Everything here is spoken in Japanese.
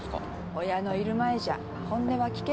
親のいる前じゃ本音は聞けないでしょ？